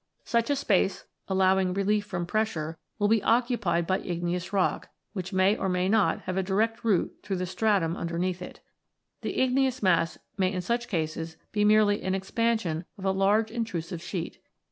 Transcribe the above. Such a space, allowing relief from pressure, will be occupied by igneous rock, which may or may not have a direct root through the stratum underneath it. The igneous mass may in such cases be merely an ex pansion of a large intrusive sheet.